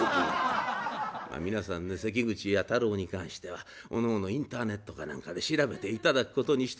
皆さんね関口弥太郎に関してはおのおのインターネットか何かで調べていただくことにして。